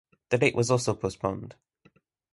That date was also postponed.